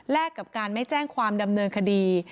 กับการไม่แจ้งความดำเนินคดี